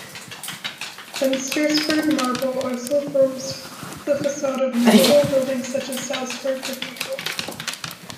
Untersberg marble also forms the facade of notable buildings such as Salzburg Cathedral.